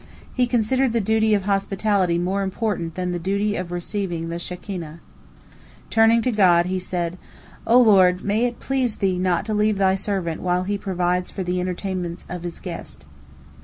He considered the duty of hospitality more important than the duty of receiving the Shekinah. Turning to God, he said, "O Lord, may it please Thee not to leave Thy servant while he provides for the entertainment of his guests."